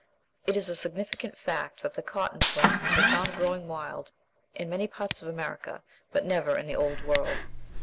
It is a significant fact that the cotton plant has been found growing wild in many parts of America, but never in the Old World.